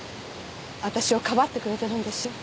私をかばってくれてるんでしょ？